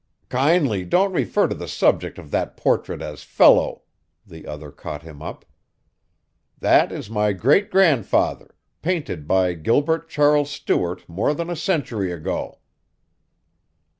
"Kindly don't refer to the subject of that portrait as fellow," the other caught him up. "That is my great grandfather, painted by Gilbert Charles Stuart more than a century ago."